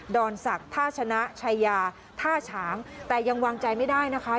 อนศักดิ์ท่าชนะชายาท่าฉางแต่ยังวางใจไม่ได้นะคะ